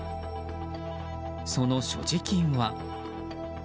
その所持金は。